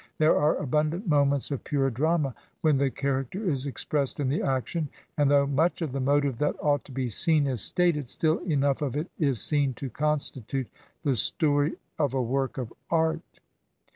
There are abundant moments of pure drama, when the char acter is expressed in the action; and though much of the motive that ought to be seen is stated, still enough of it is seen to constitute the story a work of art.